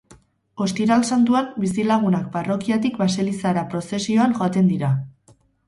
Ostiral Santuan bizilagunak parrokiatik baselizara prozesioan joaten dira.